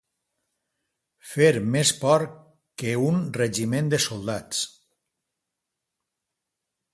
Fer més por que un regiment de soldats.